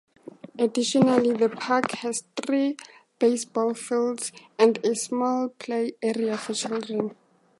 Additionally, the park has three baseball fields, and a small play area for children.